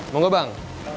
mau gak bang